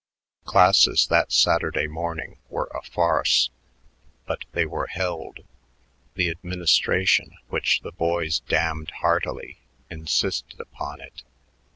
Classes that Saturday morning were a farce, but they were held; the administration, which the boys damned heartily, insisted upon it.